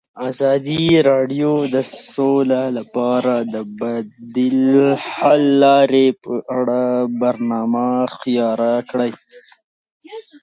ازادي راډیو د سوله لپاره د بدیل حل لارې په اړه برنامه خپاره کړې.